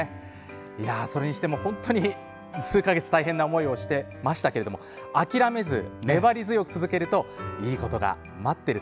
それにしても本当に数か月大変な思いをしましたけど諦めず、粘り強く続けるといいことが待ってる。